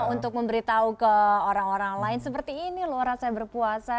untuk memberitahu ke orang orang lain seperti ini loh rasa berpuasa